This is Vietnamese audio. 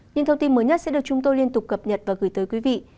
những thông tin mới nhất sẽ được chúng tôi liên tục cập nhật và gửi tới quý vị